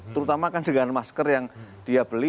terutama kan dengan masker yang dia beli